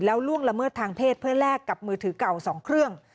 แล้วล่วงละเมิดทางเพศเพื่อแลกกับมือถือเก่า๒เครื่อง